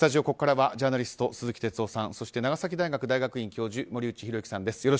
ここからはジャーナリスト、鈴木哲夫さんそして長崎大学大学院教授森内浩幸さんです。